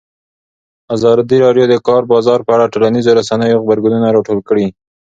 ازادي راډیو د د کار بازار په اړه د ټولنیزو رسنیو غبرګونونه راټول کړي.